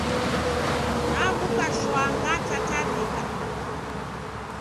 Naw'uka shwaa ngatatarika.